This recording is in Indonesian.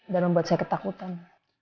dan membuat saya ketakutan